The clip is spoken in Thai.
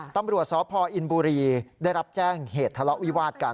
ตำรวจสพอินบุรีได้รับแจ้งเหตุทะเลาะวิวาดกัน